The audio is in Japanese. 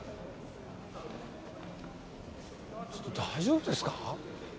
ちょっと大丈夫ですか？